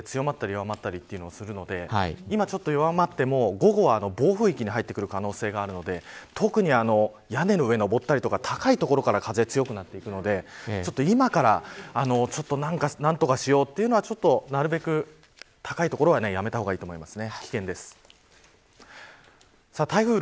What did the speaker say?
風に関しては本当に人が息をするような感じで強まったり弱まったりするので今ちょっと弱まっても午後は暴風域に入ってくる可能性があるので特に屋根の上に登ったりとか高い所から風が強くなっていくので今から何とかしようというのはなるべく高いところはやめておいた方がいいと思います。